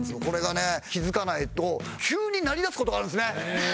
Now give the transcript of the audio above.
これがね気づかないと急に鳴りだす事があるんですね。